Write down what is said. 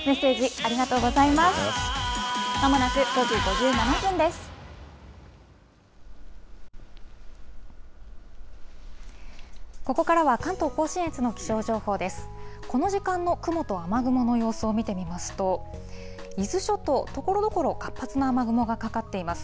この時間の雲と雨雲の様子を見てみますと、伊豆諸島、ところどころ活発な雨雲がかかっています。